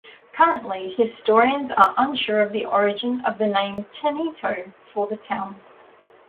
Currently historians are unsure of the origin of the name "Tenino" for the town.